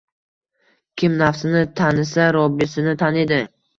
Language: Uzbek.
Kim nafsini tanisa, Robbisini taniydi.